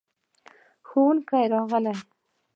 ښوونکی راغی.